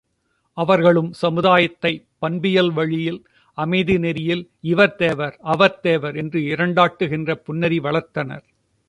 அவர்களும் சமுதாயத்தைப் பண்பியல் வழியில் அமைதி நெறியில் இவர் தேவர் அவர் தேவர் என்று இரண்டாட்டுகின்ற புன்னெறியை வளர்த்தனர்.